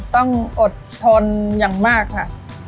ต้องอดทนอย่างมากค่ะ